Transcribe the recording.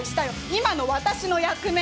今の私の役目！